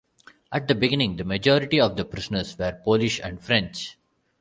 At the beginning, the majority of the prisoners were Polish and French.